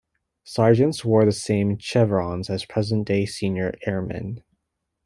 Sergeants wore the same chevrons as present-day senior airmen.